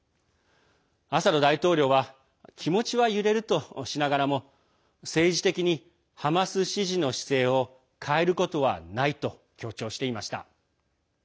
アサド大統領は気持ちは揺れるとしながらも政治的にハマス支持の姿勢を変えることはないと強調していました。